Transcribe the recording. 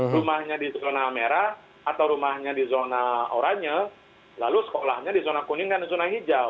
rumahnya di zona merah atau rumahnya di zona oranye lalu sekolahnya di zona kuning dan zona hijau